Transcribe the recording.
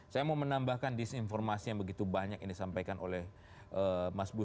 saya mau menambahkan disinformasi yang begitu banyak yang disampaikan oleh mas budi